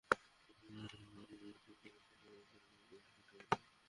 আমাকে লালনপালন করা তাঁদের দায়বদ্ধতা ছিল না, কিন্তু তাঁরা সেটা করেছেন।